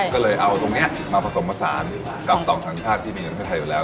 ก็เลยเอาตรงนี้มาผสมผสานกับสองสัญชาติที่มีในประเทศไทยอยู่แล้ว